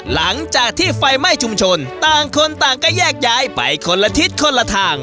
หลังจากที่ไฟไหม้ชุมชนต่างคนต่างก็แยกย้ายไปคนละทิศคนละทาง